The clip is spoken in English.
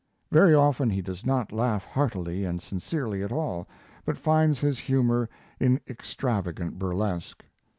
Very often he does not laugh heartily and sincerely at all, but finds his humor in extravagant burlesque.